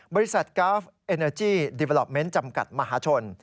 บริษัทการ์ฟเอนอร์จี้ดีเวลอลอปเมนต์จำกัดมหาชน